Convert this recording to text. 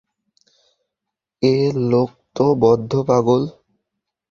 এ লোক তো বদ্ধ পাগল!